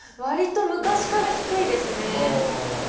割と昔から低いですね。